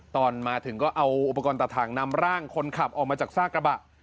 ตอนมาถึงก็เอาอุปกรณ์ตัดทางนำร่างคนขับออกมาจากซากกระบะ